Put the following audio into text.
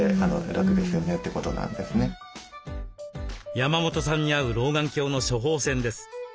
山本さんに合う老眼鏡の処方箋です。